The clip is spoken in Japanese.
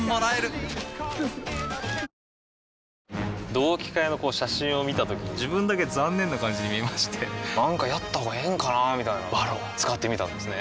同期会の写真を見たときに自分だけ残念な感じに見えましてなんかやったほうがええんかなーみたいな「ＶＡＲＯＮ」使ってみたんですね